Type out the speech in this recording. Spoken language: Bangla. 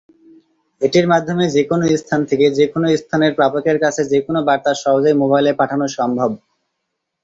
এটির মাধ্যমে যেকোনো স্থান থেকে যেকোনো স্থানের প্রাপকের কাছে যেকোনো বার্তা সহজেই মোবাইলে পাঠানো সম্ভব।